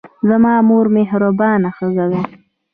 زما مور مهربانه ښځه ده.